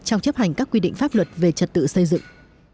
trong chấp hành các quy định pháp luật về trật tự xây dựng